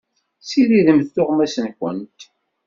Ssiridemt tuɣmas-nwent.